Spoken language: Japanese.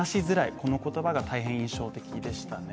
この言葉が大変印象的でしたね。